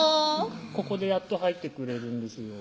ここでやっと入ってくれるんですよ